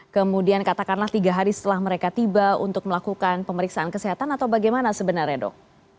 kemudian katakanlah tiga hari setelah mereka tiba untuk melakukan pemeriksaan kesehatan atau bagaimana sebenarnya dok